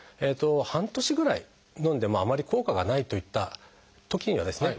半年ぐらいのんでもあまり効果がないといったときにはですね